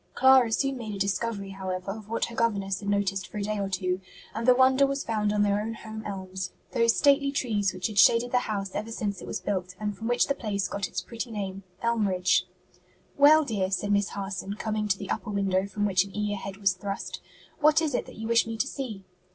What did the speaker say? Clara soon made a discovery, however, of what her governess had noticed for a day or two, and the wonder was found on their own home elms, those stately trees which had shaded the house ever since it was built, and from which the place got its pretty name Elmridge. "Well, dear," said Miss Harson, coming to the upper window from which an eager head was thrust, "what is it that you wish me to see?"